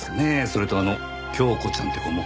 それとあの杏子ちゃんって子も。